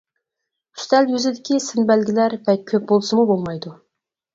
ئۈستەل يۈزىدىكى سىنبەلگىلەر بەك كۆپ بولسىمۇ بولمايدۇ.